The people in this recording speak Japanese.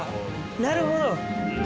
なるほど。